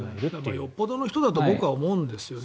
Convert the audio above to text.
よほどの人だと僕は思うんですよね。